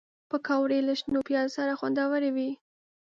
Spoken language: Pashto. پکورې له شنو پیازو سره خوندورې وي